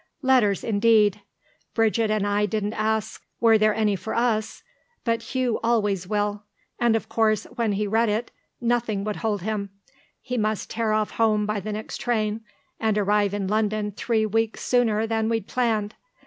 Letters indeed! Bridget and I didn't ask were there any for us; but Hugh always will. And of course, when he'd read it nothing would hold him; he must tear off home by the next train and arrive in London three weeks sooner than we'd planned.